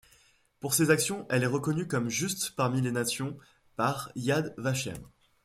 Pour ces actions, elle est reconnue comme Juste parmi les Nations par Yad Vashem.